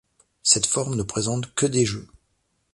Cette forme ne présente que des jeux.